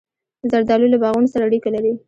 زردالو له باغونو سره اړیکه لري.